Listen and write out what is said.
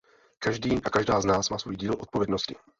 Každý a každá z nás má svůj díl odpovědnosti.